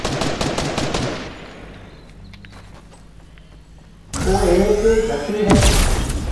او هيَڪ گھيَََٽِي هيَ۔